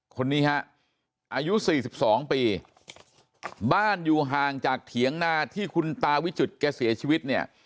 คนนี้ฮะอายุ๔๒ปีบ้านอยู่ห่างจากเถียงนาที่คุณตาวิจิตแกเสียชีวิตเนี่ย